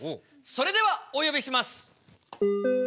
それではおよびします。